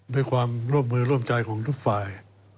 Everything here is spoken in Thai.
ด้วยความร่วมมือร่วมใจของทุกฝ่าย